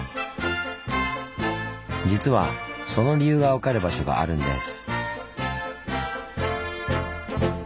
実はその理由が分かる場所があるんです。